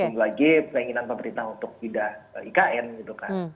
terutama lagi penginginan pemerintah untuk tidak ikn gitu kan